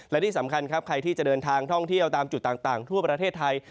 และที่สำคัญครับใครที่จะเดินทางท่องเที่ยวตามจุดต่างทั่วประเทศไทย